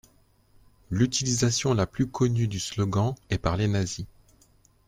L'utilisation la plus connue du slogan est par les Nazis.